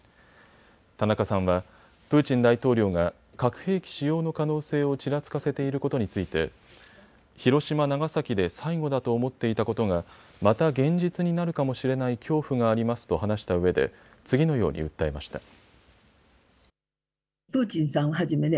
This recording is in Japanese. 田中さんはプーチン大統領が核兵器使用の可能性をちらつかせていることについて広島・長崎で最後だと思っていたことがまた現実になるかもしれない恐怖がありますと話したうえで次のように訴えました。